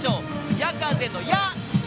「やかぜ」の「や」。